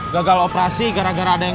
gagal operasi gara gara ada yang